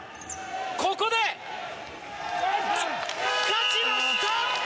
ここで勝ちました！